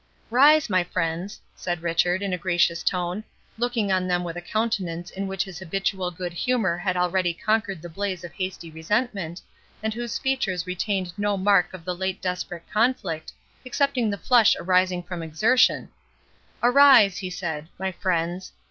"Rise, my friends," said Richard, in a gracious tone, looking on them with a countenance in which his habitual good humour had already conquered the blaze of hasty resentment, and whose features retained no mark of the late desperate conflict, excepting the flush arising from exertion,—"Arise," he said, "my friends!